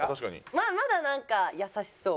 まあまだなんか優しそう。